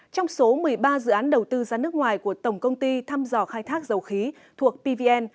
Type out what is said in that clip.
trong số một mươi ba dự án đầu tư ra nước ngoài của tổng công ty thăm dò khai thác dầu khí thuộc pvn